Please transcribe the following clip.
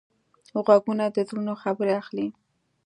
غوږونه د زړونو خبرې اخلي